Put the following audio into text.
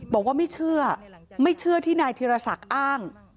บอกว่าไม่เชื่อไม่เชื่อที่นายธิรศักดิ์อ้าง